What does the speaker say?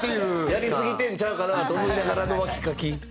やりすぎてるんちゃうかなと思いながらのわきかき。